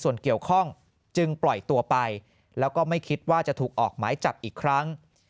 ส่วนเกี่ยวข้องจึงปล่อยตัวไปแล้วก็ไม่คิดว่าจะถูกออกหมายจับอีกครั้ง